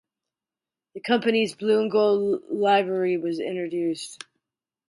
The company's blue and gold livery was introduced.